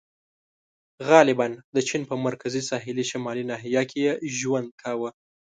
• غالباً د چین په مرکزي ساحلي شمالي ناحیه کې یې ژوند کاوه.